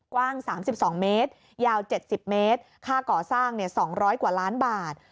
กว้าง๓๒เมตรยาว๗๐เมตรค่าก่อสร้าง๒๐๐กว่าล้านบาท